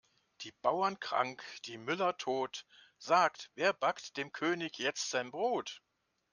Die Bauern krank, die Müller tot, sagt wer backt dem König jetzt sein Brot?